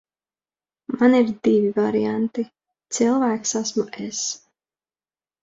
Man ir divi varianti. Cilvēks esmu es.